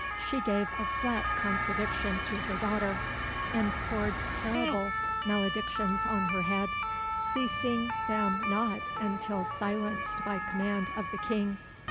She gave a flat contradiction to her daughter, and poured terrible maledictions on her head, ceasing them not until silenced by command of the King.